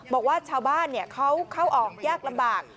บอกว่าชาวบ้านเขาเข้าออกยากลำบาก